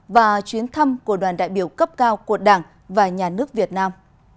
và chuyến thăm của đoàn đại biểu cấp cao của đảng và nhà nước việt nam